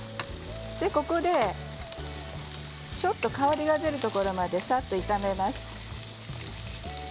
ここで、ちょっと香りが出るところまでさっと炒めます。